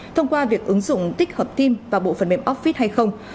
thông qua việc ứng dụng tích hợp team và bộ phần mềm office hay không